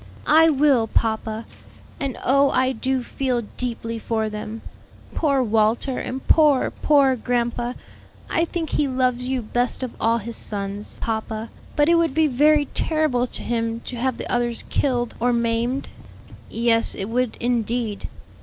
'" "I will, papa; and oh, I do feel deeply for them. Poor Walter and poor, poor grandpa. I think he loves you best of all his sons, papa; but it would be very terrible to him to have the others killed or maimed." "Yes, it would indeed.